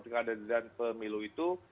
setiap pemilu itu